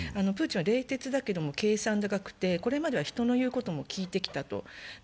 プーチンは冷徹だけど計算高くてこれまでは人の言うことも聞いてきたと。